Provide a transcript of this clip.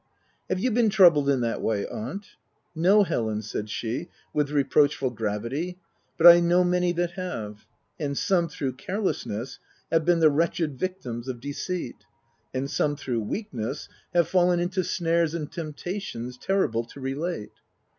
" Have you been troubled in that way, aunt ?" u No, Helen," said she, with reproachful gravity, but I know many that have ; and some, through carelessness, have been the wretched victims of deceit ; and some, through weakness, have fallen into snares and tempta tions terrible to relate.